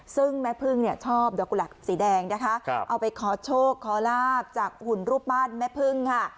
ซึ่งแม่พึ่งเนี่ยชอบดอกกุหลับสีแดงนะคะเอาไปขอโชคขอลาบจากหุ่นรูปบ้านแม่พึ่งค่ะ